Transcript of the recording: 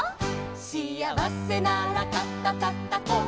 「しあわせなら肩たたこう」「」